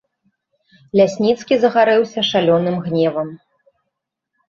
Лясніцкі загарэўся шалёным гневам.